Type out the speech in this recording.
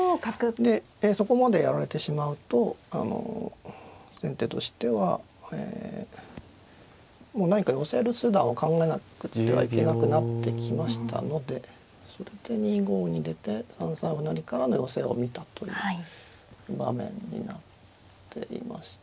でそこまでやられてしまうとあの先手としてはもう何か寄せる手段を考えなくてはいけなくなってきましたのでそれで２五に逃げて３三歩成からの寄せを見たという場面になっていまして。